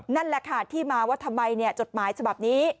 นั่นแหละค่ะที่มาว่าทำไมจดหมายฉบับนี้